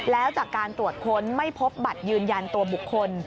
แล้วจากการตรวจค้นไม่พบบัตรยืนยันตัวบุคคล